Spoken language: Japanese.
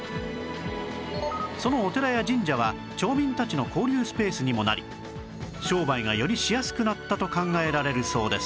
そのお寺や神社は町民たちの交流スペースにもなり商売がよりしやすくなったと考えられるそうです